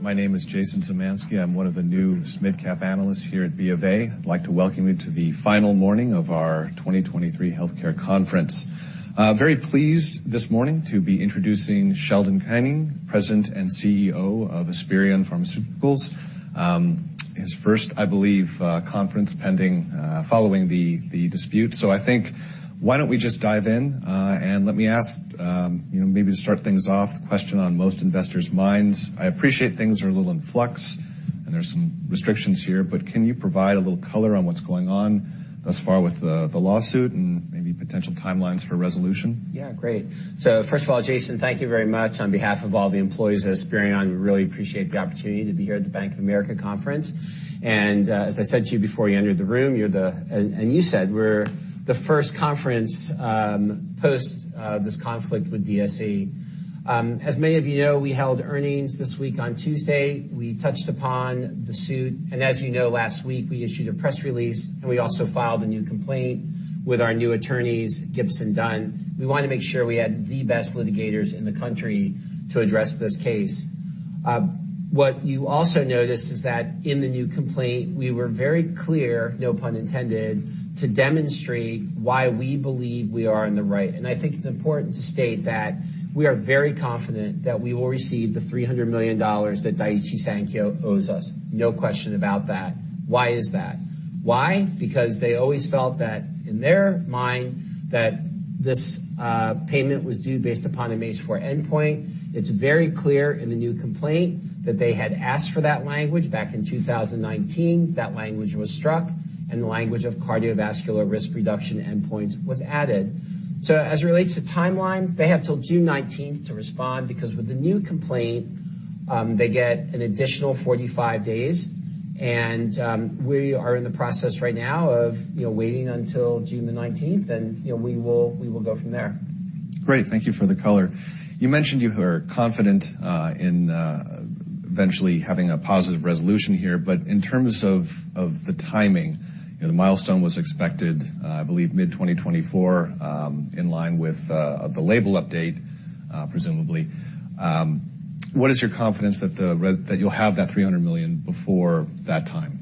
My name is Jason Gerberry. I'm one of the new midcap analysts here at B of A. I'd like to welcome you to the final morning of our 2023 healthcare conference. Very pleased this morning to be introducing Sheldon Koenig, President and CEO of Esperion Therapeutics. His first, I believe, conference pending, following the dispute. I think why don't we just dive in, and let me ask, you know, maybe to start things off, question on most investors' minds. I appreciate things are a little in flux, and there's some restrictions here, but can you provide a little color on what's going on thus far with the lawsuit and maybe potential timelines for resolution? Yeah. First of all, Jason, thank you very much on behalf of all the employees at Esperion. We really appreciate the opportunity to be here at the Bank of America conference. As I said to you before you entered the room, you said we're the first conference post this conflict with DSE. As many of you know, we held earnings this week on Tuesday. We touched upon the suit. As you know, last week, we issued a press release, and we also filed a new complaint with our new attorneys, Gibson Dunn. We wanted to make sure we had the best litigators in the country to address this case. What you also noticed is that in the new complaint, we were very clear, no pun intended, to demonstrate why we believe we are in the right. I think it's important to state that we are very confident that we will receive the $300 million that Daiichi Sankyo owes us. No question about that. Why is that? Why? Because they always felt that in their mind that this payment was due based upon a Phase 4 endpoint. It's very clear in the new complaint that they had asked for that language back in 2019. That language was struck, and the language of cardiovascular risk reduction endpoints was added. As it relates to timeline, they have till June 19th to respond because with the new complaint, they get an additional 45 days. We are in the process right now of, you know, waiting until June 19th, and, you know, we will go from there. Great. Thank you for the color. You mentioned you are confident in eventually having a positive resolution here. In terms of the timing, you know, the milestone was expected, I believe mid-2024, in line with the label update, presumably. What is your confidence that you'll have that $300 million before that time?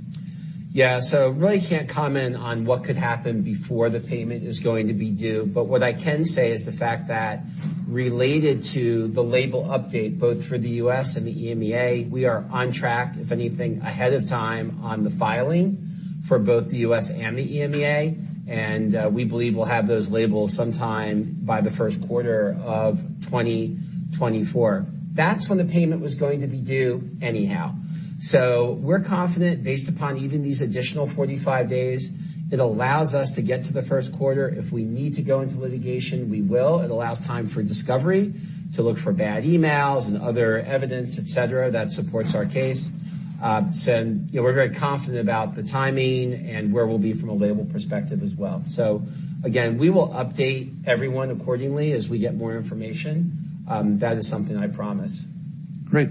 Yeah. Really can't comment on what could happen before the payment is going to be due. What I can say is the fact that related to the label update both for the U.S. and the EMEA, we are on track, if anything, ahead of time on the filing for both the U.S. and the EMEA. We believe we'll have those labels sometime by the first quarter of 2024. That's when the payment was going to be due anyhow. We're confident based upon even these additional 45 days, it allows us to get to the first quarter. If we need to go into litigation, we will. It allows time for discovery, to look for bad emails and other evidence, et cetera, that supports our case. You know, we're very confident about the timing and where we'll be from a label perspective as well. Again, we will update everyone accordingly as we get more information. That is something I promise. Great.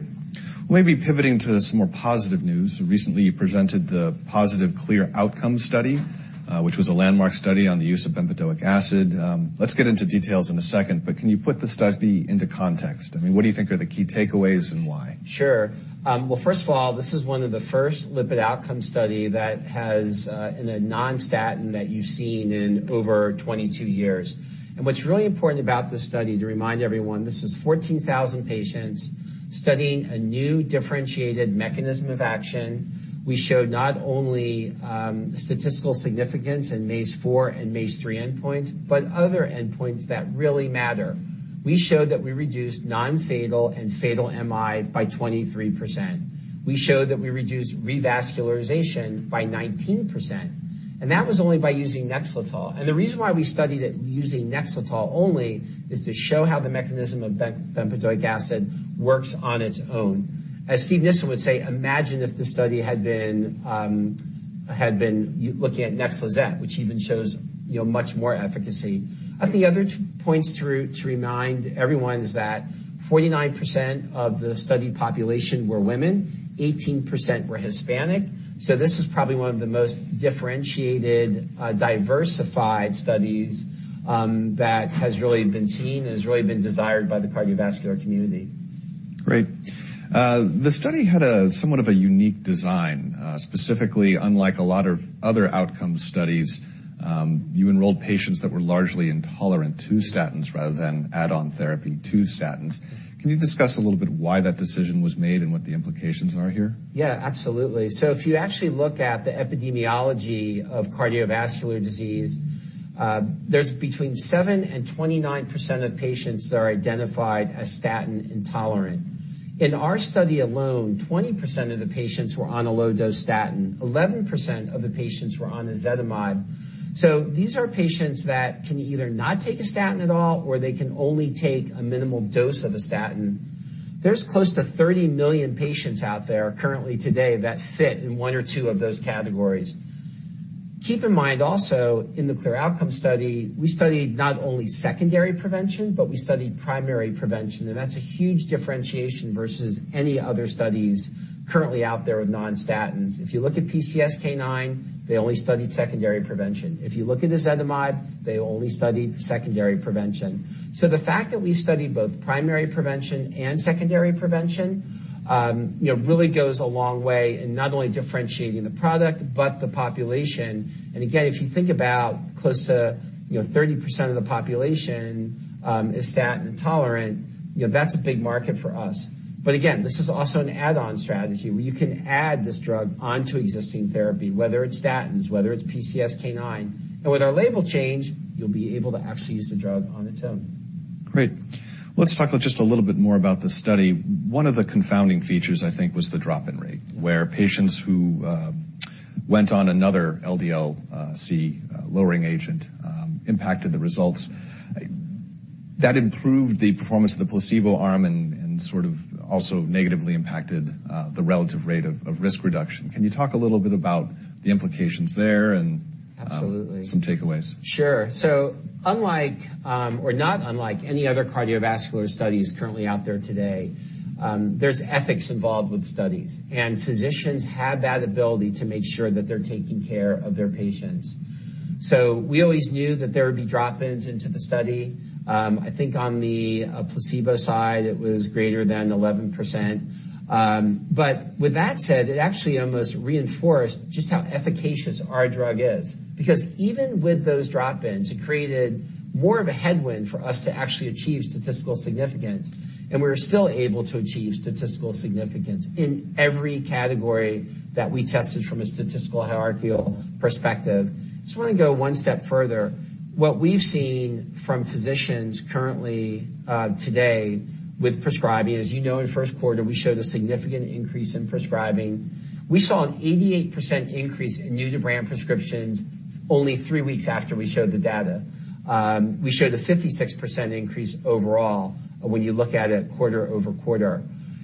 Let me be pivoting to some more positive news. Recently, you presented the positive CLEAR Outcomes study, which was a landmark study on the use of bempedoic acid. Let's get into details in a second, but can you put the study into context? I mean, what do you think are the key takeaways and why? Sure. First of all, this is one of the first lipid outcome study that has in a non-statin that you've seen in over 22 years. What's really important about this study, to remind everyone, this is 14,000 patients studying a new differentiated mechanism of action. We showed not only statistical significance in MACE-4 and MACE-3 endpoints, but other endpoints that really matter. We showed that we reduced non-fatal and fatal MI by 23%. We showed that we reduced revascularization by 19%, that was only by using NEXLETOL. The reason why we studied it using NEXLETOL only is to show how the mechanism of bempedoic acid works on its own. As Steven Nissen would say, imagine if the study had been looking at NEXLIZET, which even shows, you know, much more efficacy. I think the other points to remind everyone is that 49% of the study population were women, 18% were Hispanic. This is probably one of the most differentiated, diversified studies, that has really been seen and has really been desired by the cardiovascular community. Great. The study had a somewhat of a unique design, specifically, unlike a lot of other outcome studies, you enrolled patients that were largely intolerant to statins rather than add-on therapy to statins. Can you discuss a little bit why that decision was made and what the implications are here? Yeah, absolutely. If you actually look at the epidemiology of cardiovascular disease, there's between 7% and 29% of patients that are identified as statin intolerant. In our study alone, 20% of the patients were on a low-dose statin. 11% of the patients were on ezetimibe. These are patients that can either not take a statin at all or they can only take a minimal dose of a statin. There's close to 30 million patients out there currently today that fit in 1 or 2 of those categories. Keep in mind also in the CLEAR Outcomes study, we studied not only secondary prevention, but we studied primary prevention, and that's a huge differentiation versus any other studies currently out there with non-statins. If you look at PCSK9, they only studied secondary prevention. If you look at ezetimibe, they only studied secondary prevention. The fact that we've studied both primary prevention and secondary prevention, you know, really goes a long way in not only differentiating the product but the population. Again, if you think about close to, you know, 30% of the population, is statin intolerant, you know, that's a big market for us. Again, this is also an add-on strategy where you can add this drug onto existing therapy, whether it's statins, whether it's PCSK9. With our label change, you'll be able to actually use the drug on its own. Great. Let's talk just a little bit more about the study. One of the confounding features I think was the dropout rate, where patients who went on another LDL C lowering agent impacted the results. That improved the performance of the placebo arm and sort of also negatively impacted the relative rate of risk reduction. Can you talk a little bit about the implications there and... Absolutely. some takeaways? Sure. Unlike, or not unlike any other cardiovascular studies currently out there today, there's ethics involved with studies, and physicians have that ability to make sure that they're taking care of their patients. We always knew that there would be drop-ins into the study. I think on the placebo side, it was greater than 11%. With that said, it actually almost reinforced just how efficacious our drug is because even with those drop-ins, it created more of a headwind for us to actually achieve statistical significance, and we were still able to achieve statistical significance in every category that we tested from a statistical hierarchical perspective. Just wanna go one step further. What we've seen from physicians currently, today with prescribing, as you know, in first quarter, we showed a significant increase in prescribing. We saw an 88% increase in new-to-brand prescriptions only three weeks after we showed the data. We showed a 56% increase overall when you look at it quarter-over-quarter.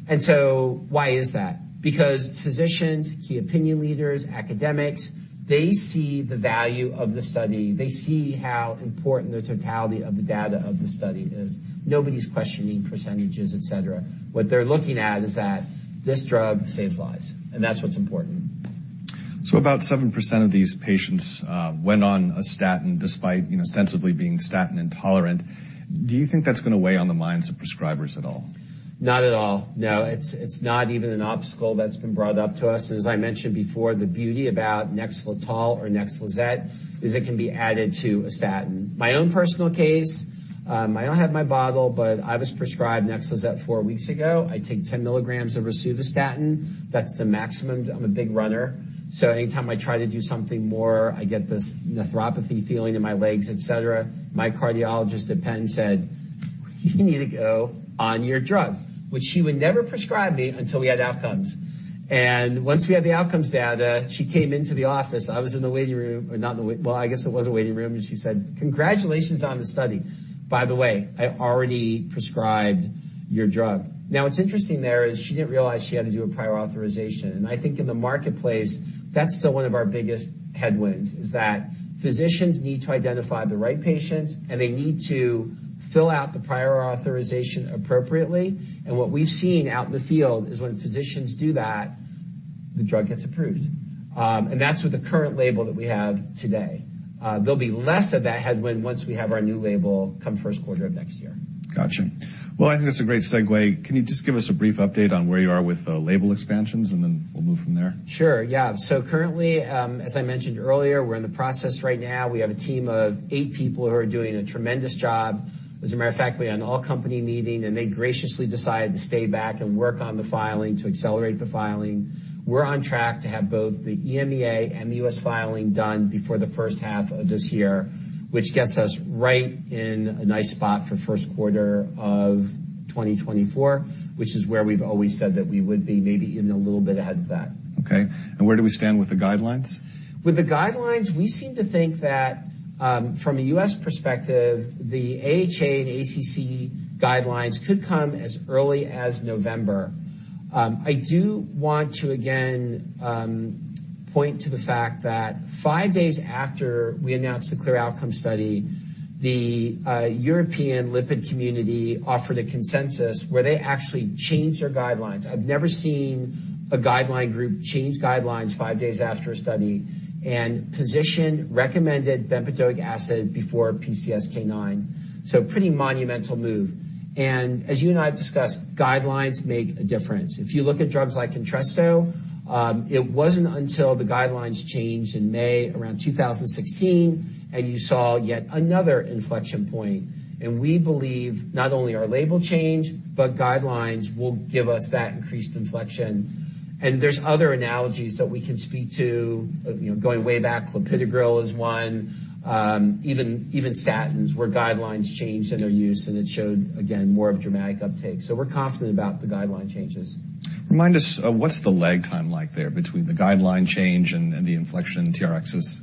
Why is that? Physicians, key opinion leaders, academics, they see the value of the study. They see how important the totality of the data of the study is. Nobody's questioning percentages, et cetera. What they're looking at is that this drug saves lives, and that's what's important. About 7% of these patients went on a statin despite, you know, ostensibly being statin intolerant. Do you think that's gonna weigh on the minds of prescribers at all? Not at all. No. It's not even an obstacle that's been brought up to us. As I mentioned before, the beauty about NEXLETOL or NEXLIZET is it can be added to a statin. My own personal case, I don't have my bottle, I was prescribed NEXLIZET 4 weeks ago. I take 10 mg of rosuvastatin. That's the maximum. I'm a big runner, anytime I try to do something more, I get this nephropathy feeling in my legs, et cetera. My cardiologist at Penn said, "You need to go on your drug," which she would never prescribe me until we had outcomes. Once we had the outcomes data, she came into the office. I was in the waiting room or, well, I guess it was a waiting room. She said, "Congratulations on the study. By the way, I already prescribed your drug." What's interesting there is she didn't realize she had to do a prior authorization. I think in the marketplace, that's still one of our biggest headwinds, is that physicians need to identify the right patients, and they need to fill out the prior authorization appropriately. What we've seen out in the field is when physicians do that, the drug gets approved. That's with the current label that we have today. There'll be less of that headwind once we have our new label come first quarter of next year. Gotcha. Well, I think that's a great segue. Can you just give us a brief update on where you are with label expansions, and then we'll move from there? Sure, yeah. Currently, as I mentioned earlier, we're in the process right now. We have a team of eight people who are doing a tremendous job. As a matter of fact, we had an all-company meeting, and they graciously decided to stay back and work on the filing to accelerate the filing. We're on track to have both the EMEA and the US filing done before the first half of this year, which gets us right in a nice spot for first quarter of 2024, which is where we've always said that we would be, maybe even a little bitahead of that. Okay. Where do we stand with the guidelines? With the guidelines, we seem to think that, from a U.S. perspective, the AHA and ACC guidelines could come as early as November. I do want to again point to the fact that 5 days after we announced the CLEAR Outcomes study, the European lipid community offered a consensus where they actually changed their guidelines. I've never seen a guideline group change guidelines 5 days after a study and position recommended bempedoic acid before PCSK9. Pretty monumental move. As you and I have discussed, guidelines make a difference. If you look at drugs like ENTRESTO, it wasn't until the guidelines changed in May around 2016, and you saw yet another inflection point. We believe not only our label change, but guidelines will give us that increased inflection. There's other analogies that we can speak to, you know, going way back, clopidogrel is one. Even statins where guidelines changed and are used, and it showed, again, more of a dramatic uptake. We're confident about the guideline changes. Remind us, what's the lag time like there between the guideline change and the inflection in TRx?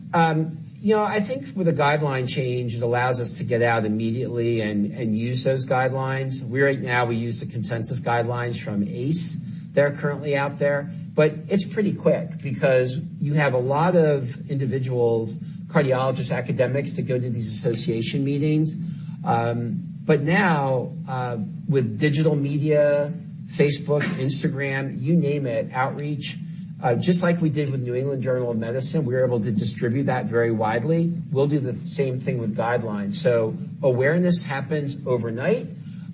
You know, I think with a guideline change, it allows us to get out immediately and use those guidelines. Right now, we use the consensus guidelines from ACE that are currently out there, but it's pretty quick because you have a lot of individuals, cardiologists, academics to go to these association meetings. But now, with digital media, Facebook, Instagram, you name it, outreach, just like we did with The New England Journal of Medicine, we're able to distribute that very widely. We'll do the same thing with guidelines. Awareness happens overnight.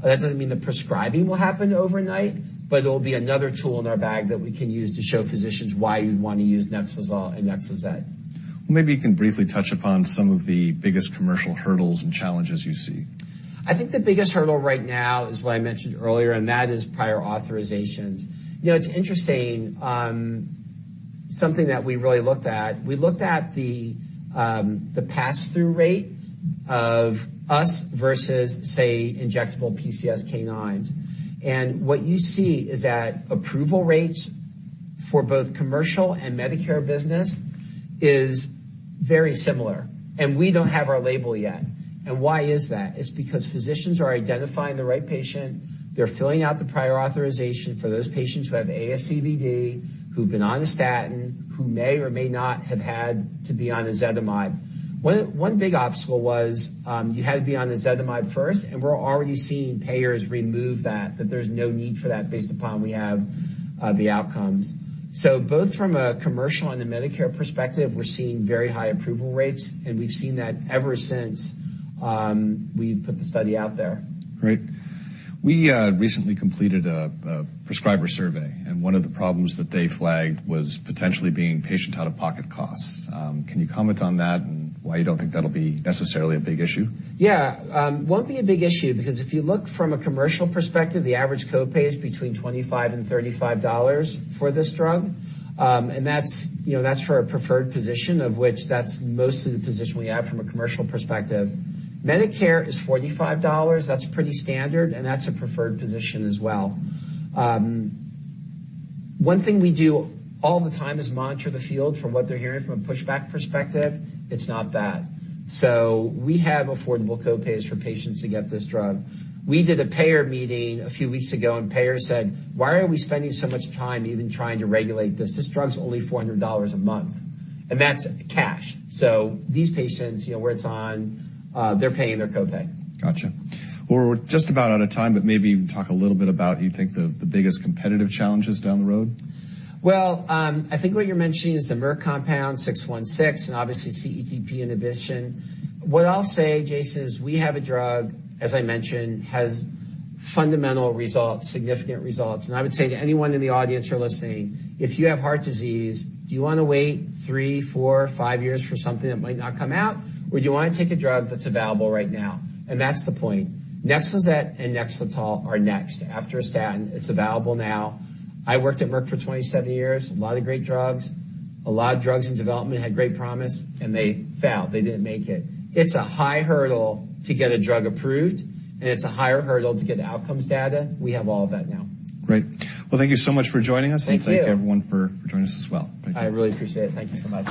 That doesn't mean the prescribing will happen overnight, but it'll be another tool in our bag that we can use to show physicians why you'd wanna use NEXLETOL and NEXLIZET. Well, maybe you can briefly touch upon some of the biggest commercial hurdles and challenges you see. I think the biggest hurdle right now is what I mentioned earlier, and that is prior authorizations. You know, it's interesting, something that we really looked at. We looked at the pass-through rate of us versus, say, injectable PCSK9s. What you see is that approval rates for both commercial and Medicare business is very similar, and we don't have our label yet. Why is that? It's because physicians are identifying the right patient. They're filling out the prior authorization for those patients who have ASCVD, who've been on a statin, who may or may not have had to be on ezetimibe. One big obstacle was, you had to be on ezetimibe first, and we're already seeing payers remove that there's no need for that based upon we have the outcomes. both from a commercial and a Medicare perspective, we're seeing very high approval rates, and we've seen that ever since we put the study out there. Great. We recently completed a prescriber survey, and one of the problems that they flagged was potentially being patient out-of-pocket costs. Can you comment on that and why you don't think that'll be necessarily a big issue? Yeah. It won't be a big issue because if you look from a commercial perspective, the average copay is between $25 and $35 for this drug. That's, you know, that's for a preferred position, of which that's most of the position we have from a commercial perspective. Medicare is $45. That's pretty standard, that's a preferred position as well. One thing we do all the time is monitor the field from what they're hearing from a pushback perspective. It's not bad. We have affordable copays for patients to get this drug. We did a payer meeting a few weeks ago, payers said, "Why are we spending so much time even trying to regulate this?" This drug's only $400 a month, that's cash. These patients, you know, where it's on, they're paying their copay. Gotcha. Well, we're just about out of time, but maybe even talk a little bit about, you think the biggest competitive challenges down the road. Well, I think what you're mentioning is the Merck compound MK-0616 and obviously CETP inhibition. What I'll say, Jason, is we have a drug, as I mentioned, has fundamental results, significant results. I would say to anyone in the audience who are listening, if you have heart disease, do you wanna wait 3, 4, 5 years for something that might not come out? Do you wanna take a drug that's available right now? That's the point. NEXLIZET and NEXLETOL are next after a statin. It's available now. I worked at Merck for 27 years. A lot of great drugs. A lot of drugs in development had great promise, they failed. They didn't make it. It's a high hurdle to get a drug approved, it's a higher hurdle to get outcomes data. We have all of that now. Great. Well, thank you so much for joining us. Thank you. Thank you, everyone, for joining us as well. Thank you. I really appreciate it. Thank you so much.